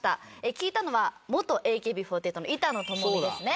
聞いたのは元ＡＫＢ４８の板野友美ですね。